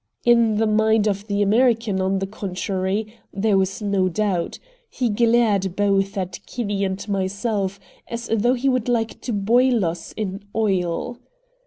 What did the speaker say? In the mind of the American, on the contrary, there was no doubt. He glared both at Kinney and myself, as though he would like to boil us in oil.